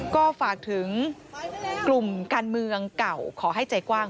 ก็ฝากถึงกลุ่มการเมืองเก่าขอให้ใจกว้าง